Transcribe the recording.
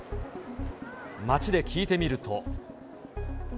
街で聞いてみると。